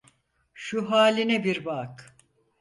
Şu hâline bir bak.